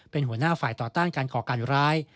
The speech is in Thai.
เป็นหัวหน้าฝ่ายต่อต้านการก่อการร้าย